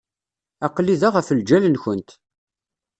Aql-i da ɣef lǧal-nkent.